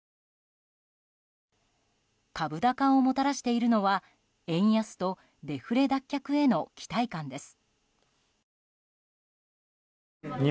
株高をもたらしているのは円安とデフレ脱却への期待感です。